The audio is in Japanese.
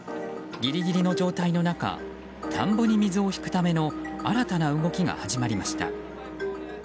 ギリギリの状態の中田んぼに水をひくための新たな動きが始まりました。